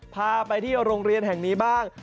พาไปที่โรงเรียนแห่งนี้บ้าง